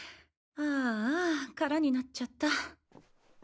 ああ空になっちゃった。